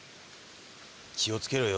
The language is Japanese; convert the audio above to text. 気をつけろよ。